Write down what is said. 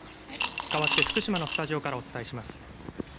かわって福島のスタジオからお伝えします。